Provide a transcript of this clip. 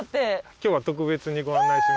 今日は特別にご案内します。